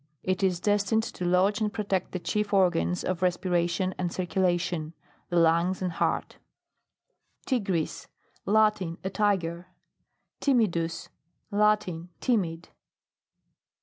It is destined to lodge and protect the chief organs of respiration and cir culation : the lungs and heart TIGRIS. Latin. A tiger. TIMIDUS Latin. Timid.